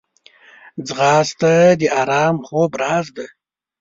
ځغاسته د ارام خوب راز ده